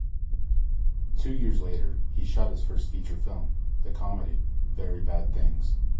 Two years later he shot his first feature film, the comedy Very Bad Things.